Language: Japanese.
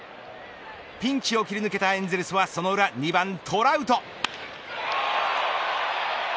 ピンチを切り抜けたエンゼルスはその裏２番トラウト。